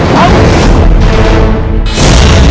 aku akan mencari penyelesaianmu